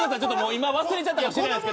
今忘れちゃったかもしれないですけど。